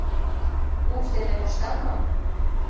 — Упш дене коштат мо?